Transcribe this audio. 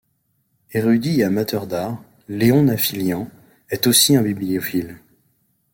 Érudit et amateur d'art, Léon Nafilyan est aussi un bibliophile.